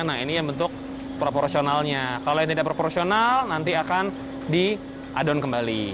nah ini yang bentuk proporsionalnya kalau yang tidak proporsional nanti akan diadon kembali